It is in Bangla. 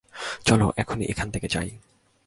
চলো এক্ষুনি এখান থেকে যাই।